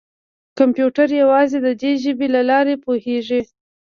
کمپیوټر یوازې د دې ژبې له لارې پوهېږي.